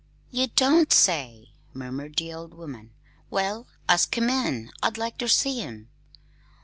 "Ye don't say," murmured the old woman. "Well, ask him in; I'd like ter see him."